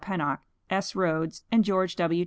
Pennock, S. Rhoads, and George W.